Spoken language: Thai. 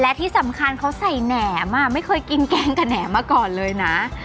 และที่สำคัญเขาใส่แหนมไม่เคยกินแกงกระแหนมมาก่อนเลยนะ